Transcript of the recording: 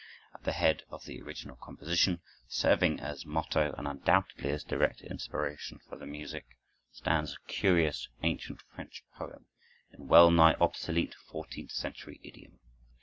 At the head of the original composition, serving as motto and undoubtedly as direct inspiration for the music, stands a curious ancient French poem in well nigh obsolete fourteenth century idiom.